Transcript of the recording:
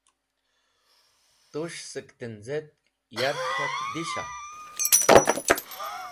Tus̃h sẽk tẽnz̃etk yark k̃hak disha?